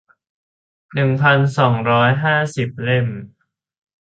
หนึ่งพันสองร้อยห้าสิบ เล่ม